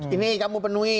ini kamu penuhi